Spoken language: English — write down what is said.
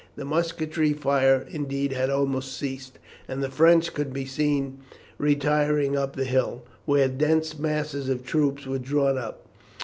The musketry fire, indeed, had almost ceased, and the French could be seen retiring up the hill, where dense masses of troops were drawn up.